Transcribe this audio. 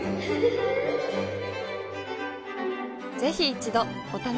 ぜひ一度お試しを。